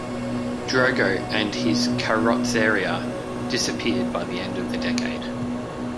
Drogo and his Carrozzeria disappeared by the end of the decade.